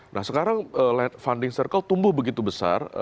nah sekarang funding circle tumbuh begitu besar